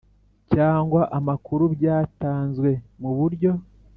cyangwa amakuru byatanzwe mu buryo